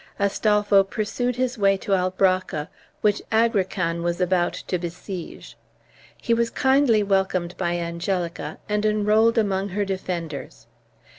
Astolpho pursued his way to Albracca, which Agrican was about to besiege. He was kindly welcomed by Angelica, and enrolled among her defenders.